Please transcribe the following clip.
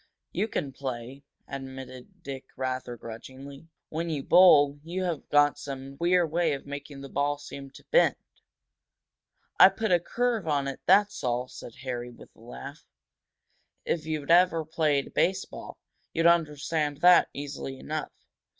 "You can play," admitted Dick, rather grudgingly. "When you bowl, you've got some queer way of making the ball seem to bend " "I put a curve on it, that's all!" said Harry, with a laugh. "If you'd ever played baseball, you'd understand that easily enough.